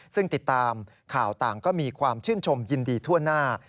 ซึ่งติดตามข่าวต่างก็มีความชื่นชมยินดีทั่วหน้า